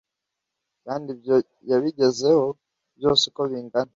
kandi ibyo yabigezeho byose uko bingana